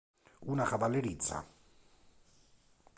Una cavalleriza.